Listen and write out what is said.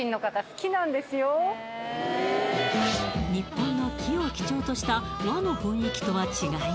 日本の木を基調とした和の雰囲気とは違い